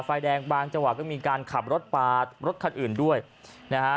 ไฟแดงบางจังหวะก็มีการขับรถปาดรถคันอื่นด้วยนะฮะ